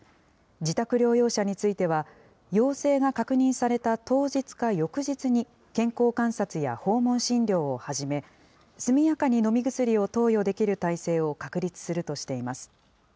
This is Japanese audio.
自宅療養者については、陽性が確認された当日か翌日に、健康観察や訪問診療を始め、速やかに飲み薬を投与できる体制を確立するとしています。